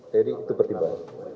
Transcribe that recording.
jadi itu pertimbangan